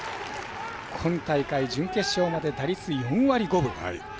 今大会、準決勝まで打率４割５分。